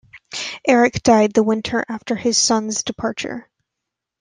Erik died the winter after his son's departure.